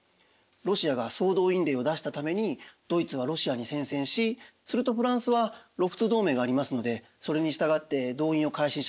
ロシアが総動員令を出したためにドイツはロシアに宣戦しするとフランスは露仏同盟がありますのでそれに従って動員を開始し始めました。